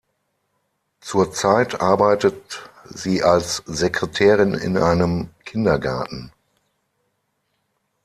Zurzeit arbeitet sie als Sekretärin in einem Kindergarten.